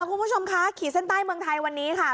คุณผู้ชมคะขีดเส้นใต้เมืองไทยวันนี้ค่ะ